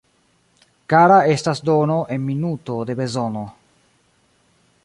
Kara estas dono en minuto de bezono.